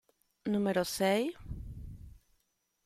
Numero Sei